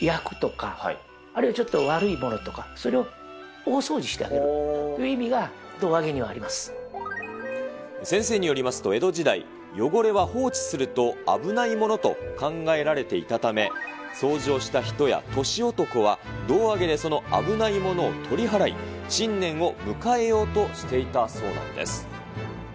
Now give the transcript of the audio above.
厄とか、あるいはちょっと悪いものとか、それを大掃除してあげる先生によりますと、江戸時代、汚れは放置すると危ないものと考えられていたため、掃除をした人や年男は、胴上げでその危ないものを取り払い、新年を迎えようとしていたそうなんです。